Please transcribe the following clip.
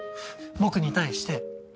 僕に対して。